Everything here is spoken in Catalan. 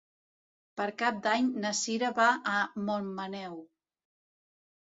Per Cap d'Any na Cira va a Montmaneu.